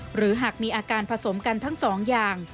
หรือหากมีอาการผสมกันทั้งสองอย่าง